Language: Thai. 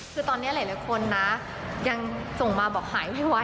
คือตอนนี้หลายคนนะยังส่งมาบอกหายที่วัด